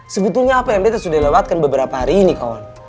sebetulnya apa yang kita sudah lewatkan beberapa hari ini kon